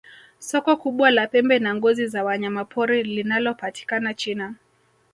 soko kubwa la pembe na ngozi za wanyamapori linalopatikana china